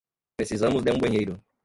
Precisamos de um banheiro.